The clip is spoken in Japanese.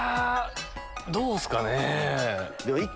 どうっすかね。